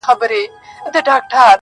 گرانه په دغه سي حشر كي جــادو~